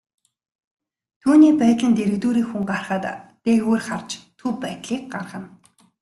Түүний байдал нь дэргэдүүрээ хүн гарахад, дээгүүр харж төв байдлыг гаргана.